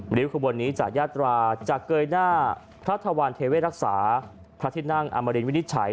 ริ้วขบวนนี้จะยาตราจะเกยหน้าพระธวรรณเทเวรักษาพระที่นั่งอมรินวินิจฉัย